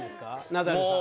ナダルさん。